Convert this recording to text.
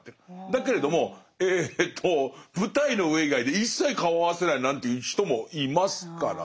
だけれどもえと舞台の上以外で一切顔合わせないなんていう人もいますからね。